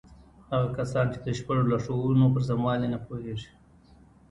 هغه کسان چې د شپږو لارښوونو پر سموالي نه پوهېږي.